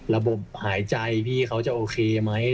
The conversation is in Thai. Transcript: ระบบหายใจพี่เขาจะโอเคไหม